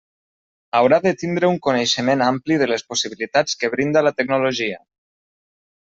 Haurà de tindre un coneixement ampli de les possibilitats que brinda la tecnologia.